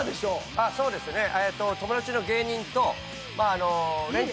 そうですね友達の芸人と。